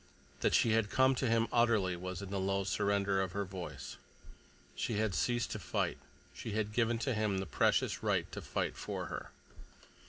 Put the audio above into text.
That she had come to him utterly was in the low surrender of her voice. She had ceased to fight—she had given to him the precious right to fight for her.